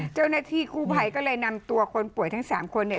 เจ้าหน้าที่กู้ภัยก็เลยนำตัวคนป่วยทั้ง๓คนเนี่ย